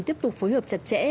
tiếp tục phối hợp chặt chẽ